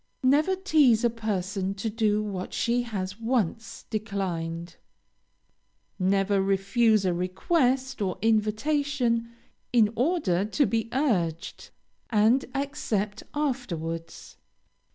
Never tease a person to do what she has once declined. Never refuse a request or invitation in order to be urged, and accept afterwards.